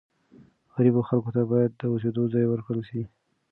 غریبو خلکو ته باید د اوسېدو ځای ورکړل سي.